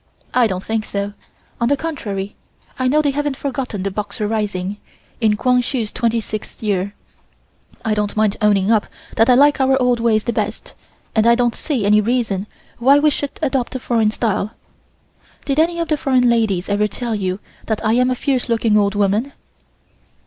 I don't think so; on the contrary I know they haven't forgotten the Boxer Rising in Kwang Hsu's 26th year. I don't mind owning up that I like our old ways the best, and I don't see any reason why we should adopt the foreign style. Did any of the foreign ladies ever tell you that I am a fierce looking old woman?"